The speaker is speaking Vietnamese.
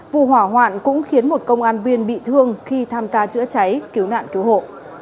vụ hỏa hoạn cũng khiến một công an viên bị thương khi tham gia chữa cháy cứu nạn cứu hộ